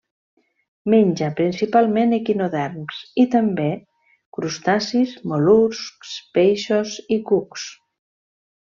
Menja principalment equinoderms i, també, crustacis, mol·luscs, peixos i cucs.